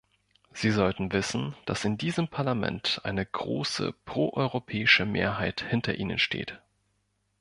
Sie sollten wissen, dass in diesem Parlament eine große pro-europäische Mehrheit hinter Ihnen steht.